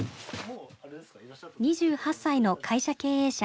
２８歳の会社経営者。